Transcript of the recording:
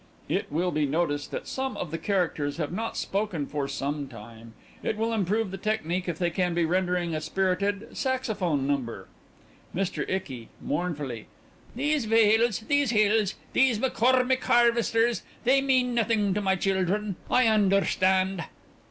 (_It will be noticed that some of the characters have not spoken for some time. It will improve the technique if they can be rendering a spirited saxophone number._) MR. ICKY: (Mournfully) These vales, these hills, these McCormick harvesters they mean nothing to my children. I understand.